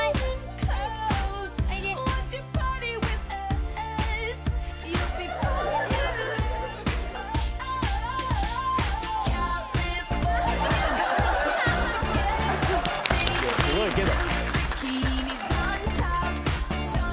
いやすごいけど。